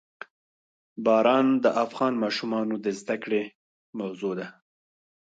باران د افغان ماشومانو د زده کړې موضوع ده.